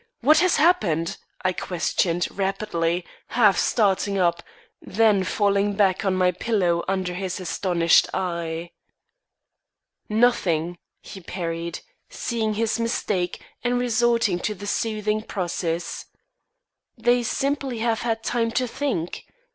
What has happened?" I questioned, rapidly, half starting up, then falling back on my pillow under his astonished eye. "Nothing," he parried, seeing his mistake, and resorting to the soothing process. "They simply have had time to think.